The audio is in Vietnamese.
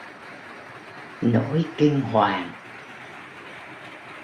nỗi kinh hoàng